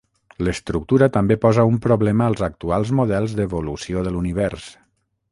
L'estructura també posa un problema als actuals models d'evolució de l'univers.